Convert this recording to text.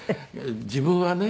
「自分はね